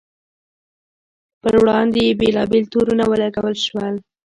پر وړاندې یې بېلابېل تورونه ولګول شول.